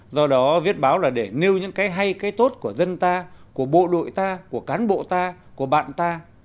do đó viết báo là để nêu những cái hay cái tốt của dân ta của bộ đội ta của cán bộ ta của bạn ta